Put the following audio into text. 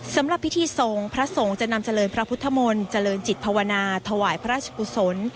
สำหรับพิธีสงฆ์พระสงฆ์จะนำเจริญพระพุทธมนต์เจริญจิตภาวนาถวายพระราชกุศล